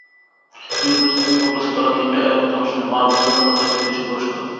মিরপুরে সুইমিং কমপ্লেক্সে বেলা তিনটায় আয়োজিত অনুষ্ঠানে মাহফুজার জন্য থাকছে কিছু পুরস্কার।